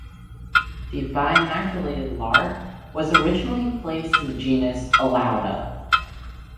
The bimaculated lark was originally placed in the genus "Alauda".